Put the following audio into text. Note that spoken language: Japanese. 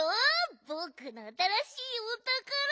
ぼくのあたらしいおたから。